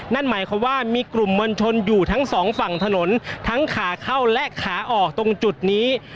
นั่นหมายความว่ามีกลุ่มมวลชนอยู่ทั้งสองฝั่งถนนทั้งขาเข้าและขาออกตรงจุดนี้